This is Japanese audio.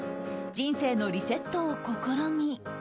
人生のリセットを試み。